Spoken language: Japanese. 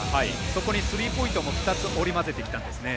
そこにスリーポイントも２つ織り交ぜてきたんですね。